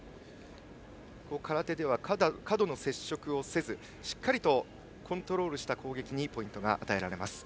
空手では過度の接触をせずしっかりコントロールした攻撃にポイントが与えられます。